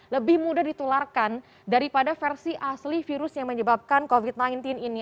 lebih mudah ditularkan daripada versi asli virus yang menyebabkan covid sembilan belas ini